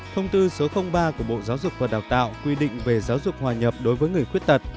thông tư số ba của bộ giáo dục và đào tạo quy định về giáo dục hòa nhập đối với người khuyết tật